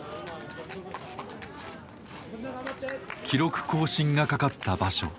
記録更新がかかった場所。